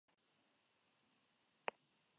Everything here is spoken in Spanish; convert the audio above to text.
Se toma por vía oral en forma de cápsulas.